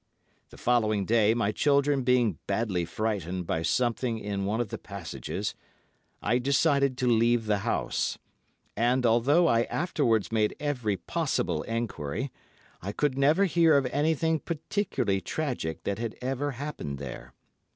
"The following day, my children being badly frightened by something in one of the passages, I decided to leave the house; and, although I afterwards made every possible enquiry, I could never hear of anything particularly tragic that had ever happened there.